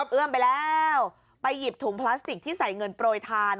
เอื้อมไปแล้วไปหยิบถุงพลาสติกที่ใส่เงินโปรยทาน